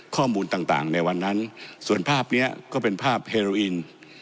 ข้อมูลต่างในวันนั้นส่วนภาพนี้ก็เป็นภาพเฮโรอิน